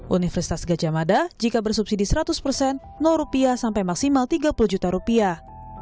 universitas gajah mada jika bersubsidi seratus persen rupiah sampai maksimal tiga puluh juta rupiah